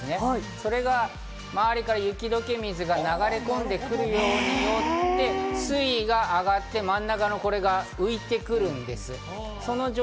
それが周りから雪解け水が流れ込んでくるように水位が上がって真ん中のこれが浮いてくるんです。